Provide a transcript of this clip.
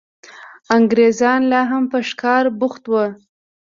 انګرېزان لا هم په ښکار بوخت وو.